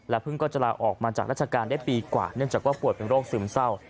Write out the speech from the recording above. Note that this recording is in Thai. เพิ่งก็จะลาออกมาจากราชการได้ปีกว่าเนื่องจากว่าป่วยเป็นโรคซึมเศร้า